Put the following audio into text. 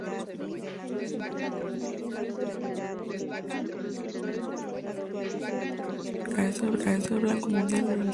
Es asesor del Banco Mundial, de la Comisión Europea y del Banco Central Europeo.